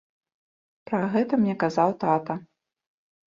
Пра гэта мне казаў тата.